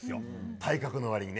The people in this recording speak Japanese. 体格のわりにね。